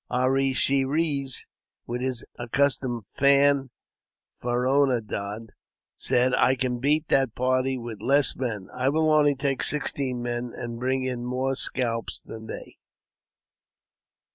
A re she res, with his accustomed fanfaronade, said, " I can beat that party with less men ; I will only take sixteen men, and bring in more scalps than they."